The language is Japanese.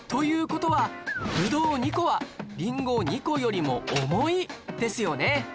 事はブドウ２個はリンゴ２個よりも重いですよね